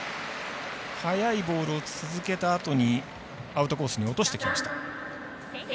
速いボールを続けたあとにアウトコースに落としてきました。